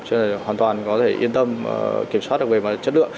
chúng tôi hoàn toàn có thể yên tâm kiểm soát được về mặt chất lượng